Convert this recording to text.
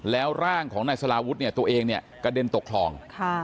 แล้วร่างของนายสลาวุฒิเนี่ยตัวเองเนี่ยกระเด็นตกคลอง